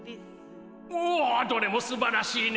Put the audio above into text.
おおどれもすばらしいね。